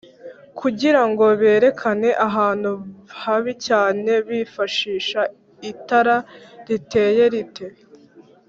kugirango berekane ahantu habicyane bifashisha itara riteye rite?